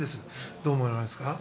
どう思われますか？